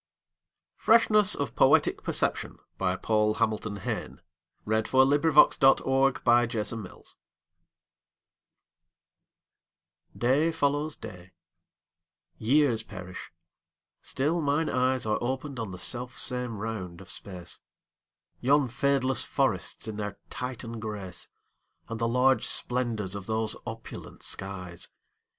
Freshness of Poetic Perception Paul Hamilton Hayne (1830–1886) DAY follows day; years perish; still mine eyesAre opened on the self same round of space; Yon fadeless forests in their Titan grace, And the large splendors of those opulent skies.